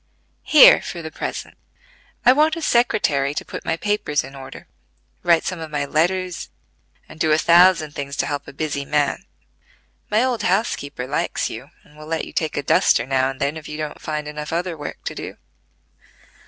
"Here for the present. I want a secretary to put my papers in order, write some of my letters, and do a thousand things to help a busy man. My old housekeeper likes you, and will let you take a duster now and then if you don't find enough other work to do.